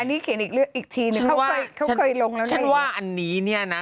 อันนี้เขียนอีกเรื่องอีกทีหนึ่งเขาเคยเขาเคยลงแล้วฉันว่าอันนี้เนี่ยนะ